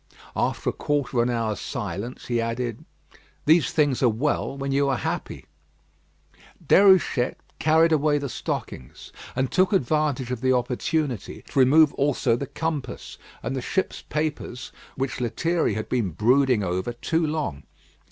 After a quarter of an hour's silence, he added: "These things are well when you are happy." Déruchette carried away the stockings, and took advantage of the opportunity to remove also the compass and the ship's papers which Lethierry had been brooding over too long.